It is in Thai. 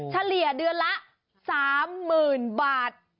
เฉลี่ยเดือนละ๓๐๐๐๐บาท